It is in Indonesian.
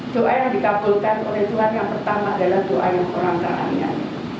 doa yang dikabulkan oleh tuhan yang pertama adalah doa orang orang yang anian